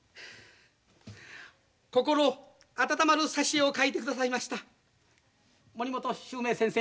心温まる挿絵を描いてくださいました森本秀明先生